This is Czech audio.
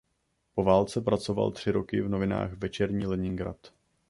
Po válce pracoval tři roky v novinách "Večerní Leningrad".